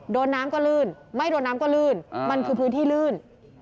โดนน้ำก็ลื่นไม่โดนน้ำก็ลื่นมันคือพื้นที่ลื่น